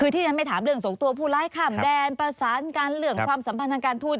คือที่ฉันไม่ถามเรื่องส่งตัวผู้ร้ายข้ามแดนประสานกันเรื่องความสัมพันธ์ทางการทูต